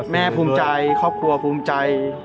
ภูมิใจครอบครัวภูมิใจ